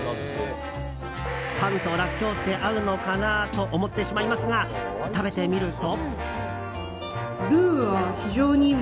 パンとラッキョウって合うのかな？と思ってしまいますが食べてみると。